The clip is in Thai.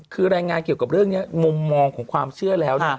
คือรายงานเกี่ยวกับเรื่องนี้มุมมองของความเชื่อแล้ว